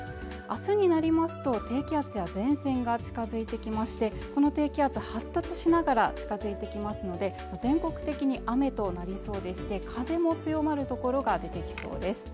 明日になりますと低気圧や前線が近づいてきましてこの低気圧発達しながら近づいてきますので全国的に雨となりそうでして風も強まるところが出てきそうです